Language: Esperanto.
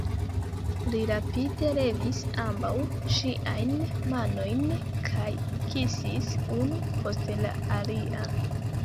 Li rapide levis ambaŭ ŝiajn manojn kaj kisis unu post la alia.